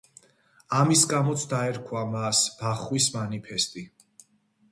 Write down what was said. ამის გამოც დაერქვა მას „ბახვის მანიფესტი“.